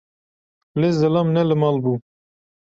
Lê zilam ne li mal bû